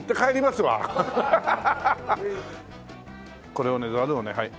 これをねザルをねはい。